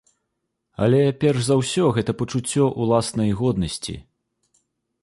Але перш за ўсё гэта пачуццё ўласнай годнасці.